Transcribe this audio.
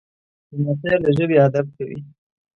لمسی له ژبې ادب کوي.